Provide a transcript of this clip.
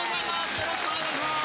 よろしくお願いします。